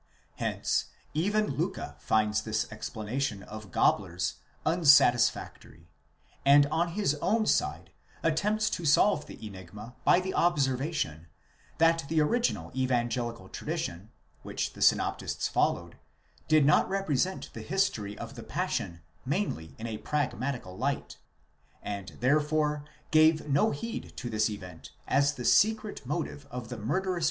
Hence even Liicke finds this explanation of Gabler's un satisfactory ; and on his own side attempts to solve the enigma by the obser vation, that the original evangelical tradition, which the synoptists followed, did not represent the history of the Passion mainly in a pragmatical light, and therefore gave no heed to this event as the secret motive of the murderous.